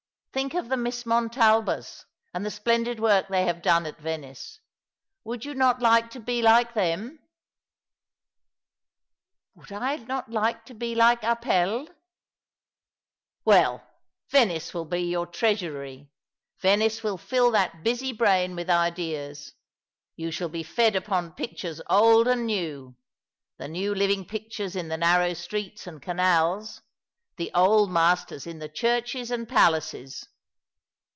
Think of the Miss Montalbas, and the splendid work they have done at Venice. Would you not like to be like them ?"" Would I not like to be like Apelles ?,"" Well, Venice will be your treasury ; Venice will fill that busy brain with ideas. You shall be fed upon pictures old and new — the new living pictures in the narrow streets and canals ; the old masters in the churches and palaces.